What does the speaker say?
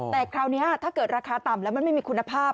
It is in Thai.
แต่คราวนี้ถ้าเกิดราคาต่ำแล้วมันไม่มีคุณภาพ